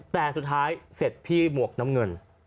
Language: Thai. แต่สุดท้ายเสร็จพี่หมวกน้ำเงิน